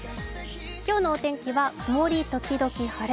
今日のお天気は曇り時々晴れ。